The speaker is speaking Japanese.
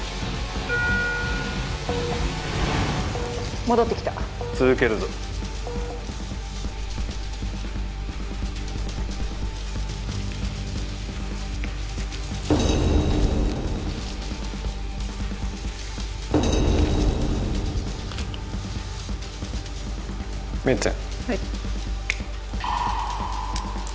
戻ってきた続けるぞメッツェン